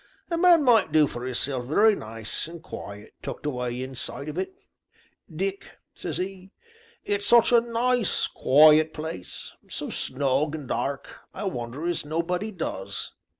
A man might do for 'isself very nice, and quiet, tucked away inside of it, Dick,' says 'e; 'it's such a nice, quiet place, so snug and dark, I wonder as nobody does.